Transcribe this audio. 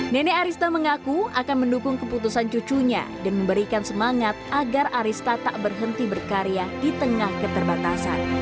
nenek arista mengaku akan mendukung keputusan cucunya dan memberikan semangat agar arista tak berhenti berkarya di tengah keterbatasan